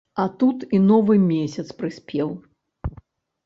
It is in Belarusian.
А тут і новы месяц прыспеў.